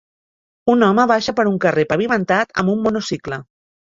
Un home baixa per un carrer pavimentat amb un monocicle